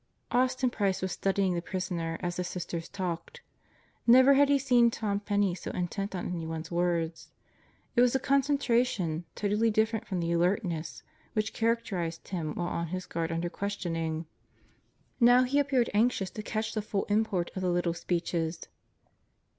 " Austin Price was studying the prisoner as the Sisters talked. Never had he seen Tom Penney so intent on anyone's words. It was a concentration totally different from the alertness which God Gathers His Instruments 13 characterized him while on his guard under questioning. Now he appeared anxious to catch the full import of tie little speeches.